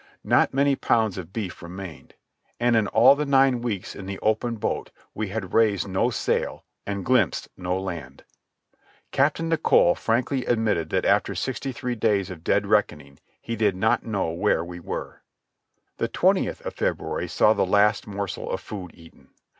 Not many pounds of beef remained. And in all the nine weeks in the open boat we had raised no sail and glimpsed no land. Captain Nicholl frankly admitted that after sixty three days of dead reckoning he did not know where we were. The twentieth of February saw the last morsel of food eaten.